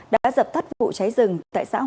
đã dập thắt vụ cháy rừng tại xã hoàng hà